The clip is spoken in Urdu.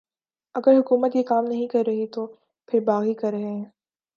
اگر حکومت یہ کام نہیں کررہی تو پھر باغی کررہے ہیں